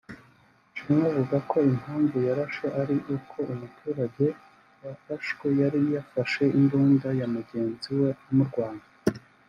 Ishimwe avuga ko impamvu yarashe ari uko umuturage warashwe yari yafashe imbunda ya mugenzi we amurwanya